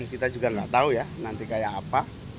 kita juga nggak tahu ya nanti kayak apa